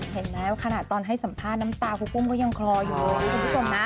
เห็นไหมว่าขณะตอนให้สัมภาษณ์น้ำตาครูปุ้มก็ยังคลออยู่